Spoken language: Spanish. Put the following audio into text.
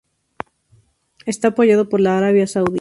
Está apoyado por Arabia Saudi.